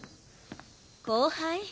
後輩？